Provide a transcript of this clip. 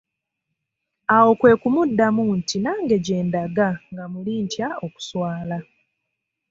Awo kwe kumuddamu nti nange gye ndaga nga muli ntya n'okuswala.